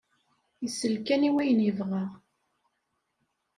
Isell kan i wyen yebɣa.